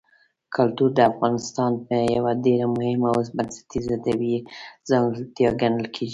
کلتور د افغانستان یوه ډېره مهمه او بنسټیزه طبیعي ځانګړتیا ګڼل کېږي.